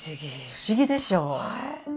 不思議でしょう。